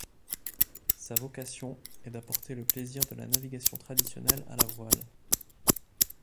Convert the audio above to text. Sa vocation est d'apporter le plaisir de la navigation traditionnelle à la voile.